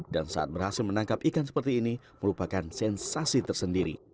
dan saat berhasil menangkap ikan seperti ini merupakan sensasi tersendiri